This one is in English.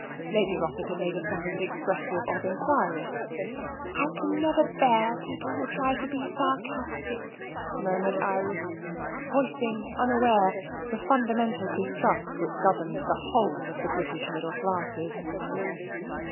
Lady Rossiter made a sound expressive of enquiry. " I never can bear people who try to be sarcastic," murmured Iris, voicing unaware the fundamental dis trust which governs the whole of the British middle classes.